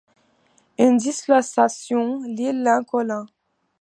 Une dislocation! l’île Lincoln !